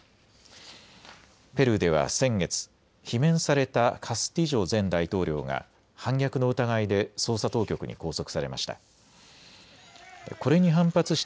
ペルーでは先月、罷免されたカスティジョ前大統領が反逆の疑いで捜査当局に拘束されました。